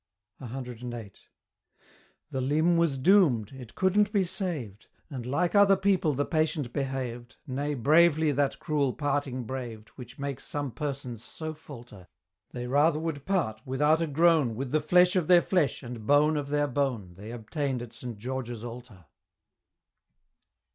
CVIII. The limb was doom'd it couldn't be saved! And like other people the patient behaved, Nay, bravely that cruel parting braved, Which makes some persons so falter, They rather would part, without a groan, With the flesh of their flesh, and bone of their bone, They obtain'd at St. George's altar.